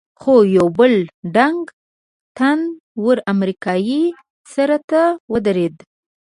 خو یو بل ډنګ، تن ور امریکایي سر ته ودرېد.